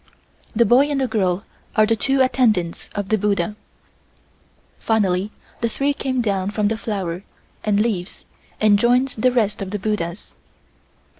The boy and the girl are the two attendants of the buddha. Finally the three came down from the flower and leaves and joined the rest of the buddhas.